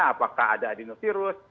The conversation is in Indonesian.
apakah ada adenovirus